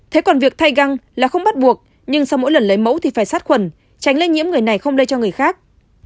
thế còn việc thay găng là không bắt buộc nhưng sau mỗi lần lấy mẫu thì phải sát khuẩn tránh lây nhiễm người này không lây cho người khác